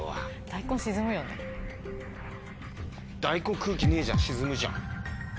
大根空気ねえじゃん沈むじゃん。